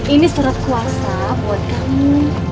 ini surat kuasa buat kamu